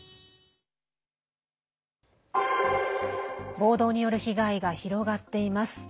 暴動による被害が広がっています。